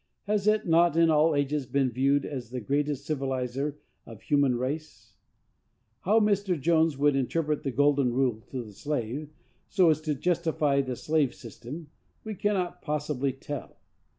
Has it not in all ages been viewed as the greatest civilizer of the human race? How Mr. Jones would interpret the golden rule to the slave, so as to justify the slave system, we cannot possibly tell.